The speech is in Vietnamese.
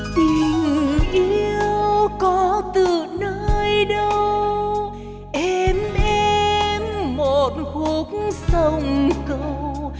tình yêu có từ nơi đâu êm êm một khúc sông câu